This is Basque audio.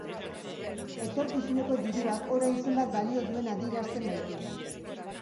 Etorkizuneko diruak orain zenbat balio duen adierazten baitu.